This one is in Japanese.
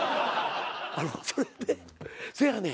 あのうそれでそやねん。